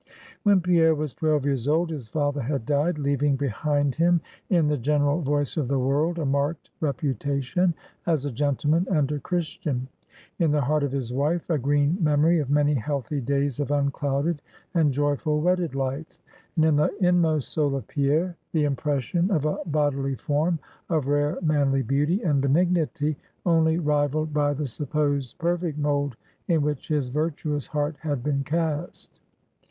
When Pierre was twelve years old, his father had died, leaving behind him, in the general voice of the world, a marked reputation as a gentleman and a Christian; in the heart of his wife, a green memory of many healthy days of unclouded and joyful wedded life, and in the inmost soul of Pierre, the impression of a bodily form of rare manly beauty and benignity, only rivaled by the supposed perfect mould in which his virtuous heart had been cast.